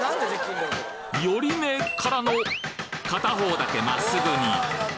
寄り目からの片方だけ真っすぐに！